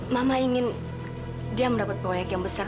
mama ingin dia mendapat proyek yang besar